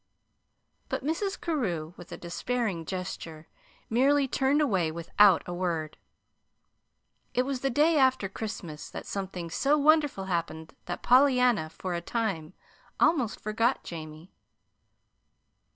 But Mrs. Carew, with a despairing gesture, merely turned away without a word. It was the day after Christmas that something so wonderful happened that Pollyanna, for a time, almost forgot Jamie.